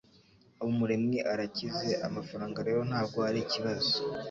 Habumuremwi arakize, amafaranga rero ntabwo arikibazo.